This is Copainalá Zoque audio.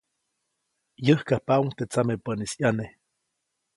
Yäjkajpaʼuŋ teʼ tsamepäʼnis ʼyane.